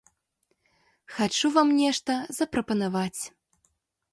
Хачу вам нешта запрапанаваць.